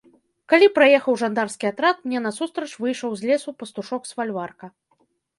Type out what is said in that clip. Калі праехаў жандарскі атрад, мне насустрач выйшаў з лесу пастушок з фальварка.